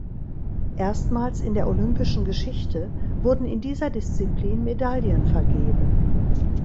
Erstmals in der olympischen Geschichte wurden in dieser Disziplin Medaillen vergeben.